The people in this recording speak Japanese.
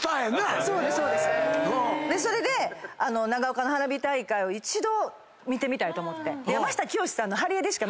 それで長岡の花火大会を一度見てみたいと思って。